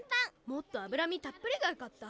もっとあぶらみたっぷりがよかった。